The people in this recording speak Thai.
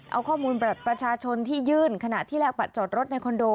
เอาข้อมูลบัตรประชาชนที่ยื่นขณะที่แลกบัตรจอดรถในคอนโด